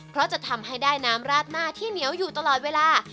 เพราะจะทำให้ได้น้ำราดหน้าที่เหนียวอยู่ตลอดเวลา